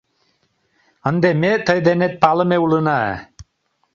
Ынде ме тый денет палыме улына.